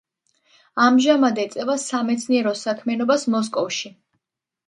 ამჟამად ეწევა სამეცნიერო საქმიანობას მოსკოვში.